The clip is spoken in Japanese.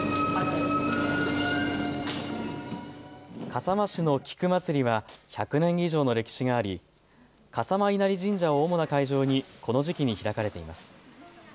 笠間市の菊まつりは１００年以上の歴史があり笠間稲荷神社を主な会場にこの時期に開かれています。